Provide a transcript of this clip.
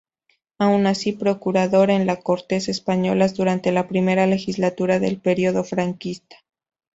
Aun así, procurador en las Cortes Españolas durante la primera legislatura del período franquista.